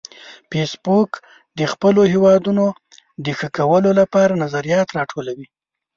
فېسبوک د خپلو هیوادونو د ښه کولو لپاره نظریات راټولوي